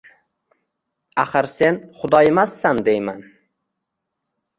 Axir sen Xudo emassan!” deyman!